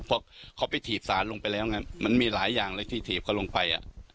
เพราะเขาไปถีบสารลงไปแล้วไงมันมีหลายอย่างเลยที่ถีบเขาลงไป